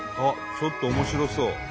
ちょっと面白そう！